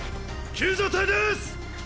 救助隊ですッ。